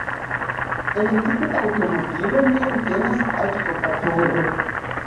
El tiu aŭtomobilo nur venas akvo-vaporo.